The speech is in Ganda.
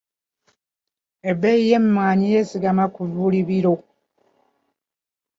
Ebbeeyi y'emmwanyi yeesigama ku buli biro